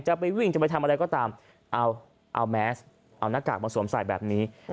จะไปวิ่งจะไปทำอะไรก็ตามเอาแมสเอาหน้ากากมาสวมใส่แบบนี้